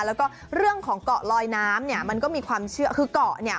แล้วก็เรื่องของเกาะลอยน้ำเนี่ยมันก็มีความเชื่อคือเกาะเนี่ย